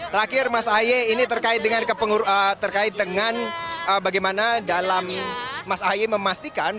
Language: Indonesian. terakhir mas ahaye ini terkait dengan bagaimana dalam mas ahy memastikan